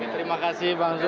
terima kasih bang zul